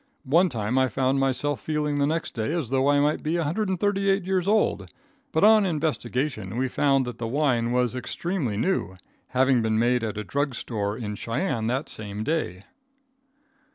One time I found myself feeling the next day as though I might be 138 years old, but on investigation we found that the wine was extremely new, having been made at a drug store in Cheyenne that same day.